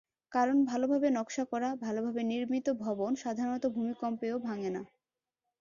কারণ, ভালোভাবে নকশা করা, ভালোভাবে নির্মিত ভবন সাধারণত ভূমিকম্পেও ভাঙে না।